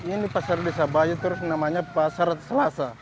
ini pasar desa bayu terus namanya pasar selasa